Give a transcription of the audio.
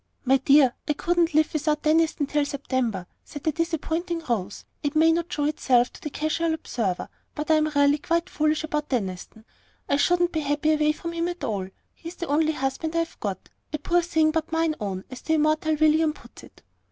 "My dear, I couldn't live without Deniston till September," said the disappointing Rose. "It may not show itself to a casual observer, but I am really quite foolish about Deniston. I shouldn't be happy away from him at all. He's the only husband I've got, a 'poor thing, but mine own,' as the 'immortal William' puts it."